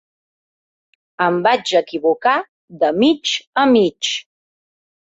Em vaig equivocar de mig a mig.